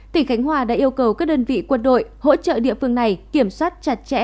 tỉnh khánh hòa đã yêu cầu các đơn vị quân đội hỗ trợ địa phương này kiểm soát chặt chẽ